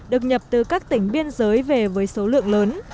được nhập từ các tỉnh biên giới về với số lượng lớn